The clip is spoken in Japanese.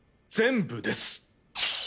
全部です！